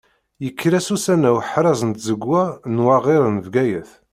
Yekker-as ussan-a uḥraz n tẓegwa n waɣir n Bgayet.